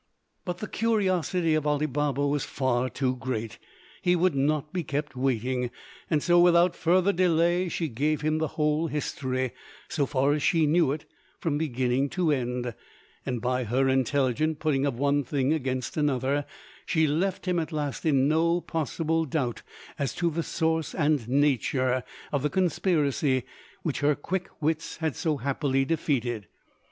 But the curiosity of Ali Baba was far too great: he would not be kept waiting. So without further delay she gave him the whole history, so far as she knew it, from beginning to end; and by her intelligent putting of one thing against another, she left him at last in no possible doubt as to the source and nature of the conspiracy which her quick wits had so happily defeated.